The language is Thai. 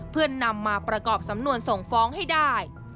เพื่อนำมาประกอบสำนวนส่งฟ้องให้ได้